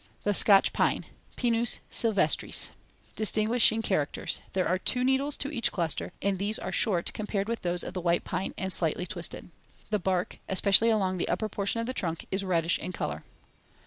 THE SCOTCH PINE (Pinus sylvestris) Distinguishing characters: There are *two* needles to each cluster, and these are short compared with those of the white pine, and slightly twisted; see Fig. 6. The bark, especially along the upper portion of the trunk, is reddish in color.